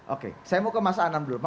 oke saya mau ke mas anam dulu